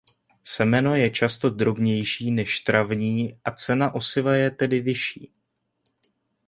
Semeno je často drobnější než travní a cena osiva je tedy vyšší.